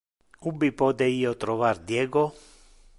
Ubi pote io trovar Diego?